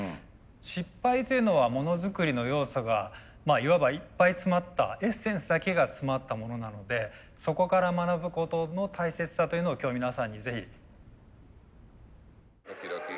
失敗というのはものづくりの要素がいわばいっぱい詰まったエッセンスだけが詰まったものなのでそこから学ぶことの大切さというのを今日皆さんにぜひ。